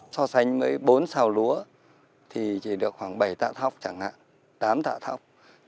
so sánh với bốn xào lúa thì chỉ được khoảng bảy tạ thóc chẳng hạn tám tạ thóc